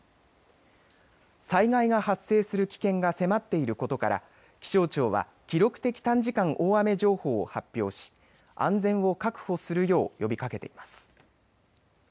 災害が発生する危険が迫っていることから気象庁は記録的短時間大雨情報を発表し安全を確保するよう呼びかけています。